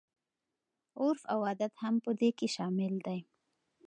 عرف او عادت هم په دې کې شامل دي.